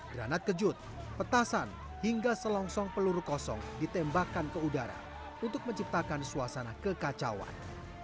granat kejut petasan hingga selongsong peluru kosong ditembakkan ke udara untuk menciptakan suasana kekacauan